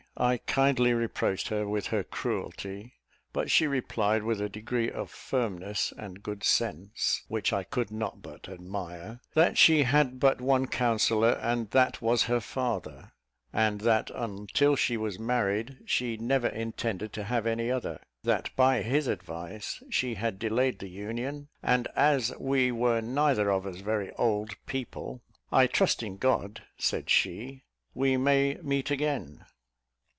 I kindly reproached her with her cruelty; but she replied with a degree of firmness and good sense, which I could not but admire, that she had but one counsellor, and that was her father, and that until she was married, she never intended to have any other; that by his advice she had delayed the union: and as we were neither of us very old people, "I trust in God," said she, "we may meet again."